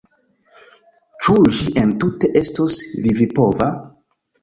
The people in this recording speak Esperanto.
Ĉu ĝi entute estos vivipova?